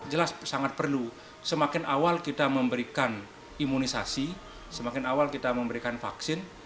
jelas sangat perlu semakin awal kita memberikan imunisasi semakin awal kita memberikan vaksin